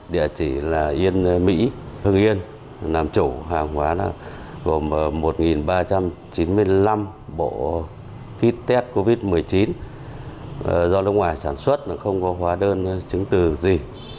địa chỉ là yên mỹ hưng yên làm chủ hàng hóa gồm một ba trăm chín mươi năm bộ kit test covid một mươi chín do nước ngoài sản xuất không có hóa đơn chứng từ gì